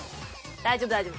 大丈夫大丈夫。